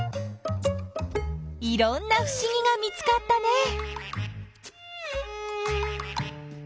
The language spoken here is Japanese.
いろんなふしぎが見つかったね！